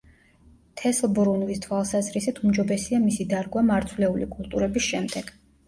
თესლბრუნვის თვალსაზრისით უმჯობესია მისი დარგვა მარცვლეული კულტურების შემდეგ.